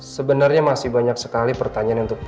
sebenernya masih banyak sekali pertanyaan untuk